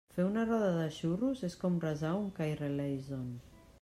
Fer una roda de xurros és com resar un kyrieleison.